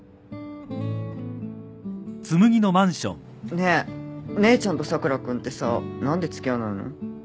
ねえ姉ちゃんと佐倉君ってさ何で付き合わないの？